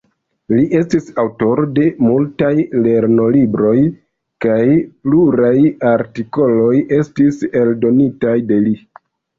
Li estis aŭtoro de multaj lernolibroj kaj pluraj artikoloj estis eldonitaj de li.